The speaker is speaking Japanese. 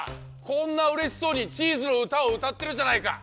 こんなうれしそうにチーズのうたをうたってるじゃないか！